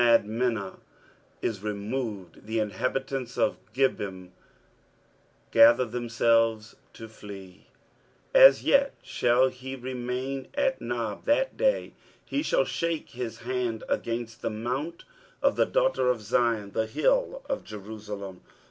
23:010:031 Madmenah is removed; the inhabitants of Gebim gather themselves to flee. 23:010:032 As yet shall he remain at Nob that day: he shall shake his hand against the mount of the daughter of Zion, the hill of Jerusalem.